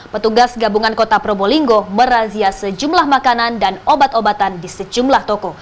petugas gabungan kota probolinggo merazia sejumlah makanan dan obat obatan di sejumlah toko